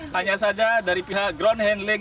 hanya saja dari pihak ground handling